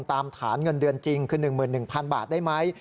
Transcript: ตามฐานเงินเดือนจริงคือ๑๑๐๐๐บาทได้ไหม